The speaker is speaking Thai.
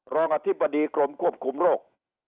รองอธิบดีกรมควบคุมโรค